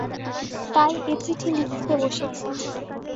তাই এ চিঠি লিখতে বসেছি।